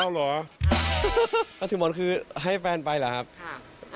อ้าวเหรอถือหมอนคือให้แฟนไปเหรอครับค่ะ